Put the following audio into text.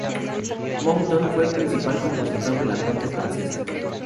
Mouton fue el principal compositor de la corte francesa.